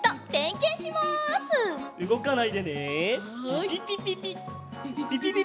ピピピピピッピピピピピ！